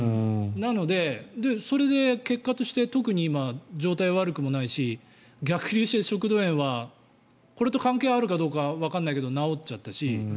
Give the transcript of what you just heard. なので、それで結果として特に今、状態が悪くもないし逆流性食道炎はこれと関係あるかどうかわからないけど治っちゃったし。